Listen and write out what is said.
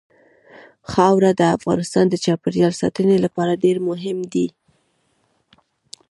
خاوره د افغانستان د چاپیریال ساتنې لپاره ډېر مهم دي.